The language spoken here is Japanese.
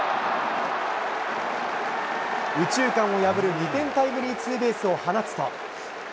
右中間を破る２点タイムリーツーベースを放つと。